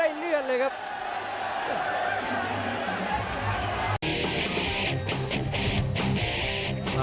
ได้เลื่อนเลยครับ